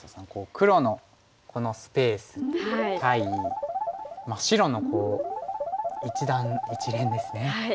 黒のこのスペース対白の一団一連ですね。